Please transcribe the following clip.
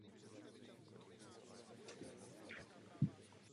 Nový technický stupeň udělují jen černé pásky.